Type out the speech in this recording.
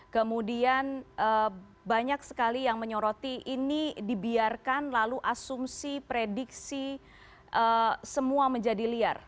kemudian banyak sekali yang menyoroti ini dibiarkan lalu asumsi prediksi semua menjadi liar